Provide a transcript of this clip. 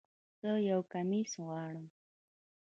زه یو کمیس غواړم